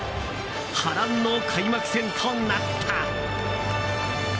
波乱の開幕戦となった。